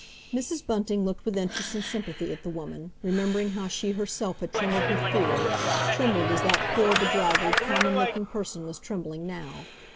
Mrs. Bunting looked with interest and sympathy at the woman, remembering how she herself had trembled with fear, trembled as that poor, bedraggled, common looking person was trembling now.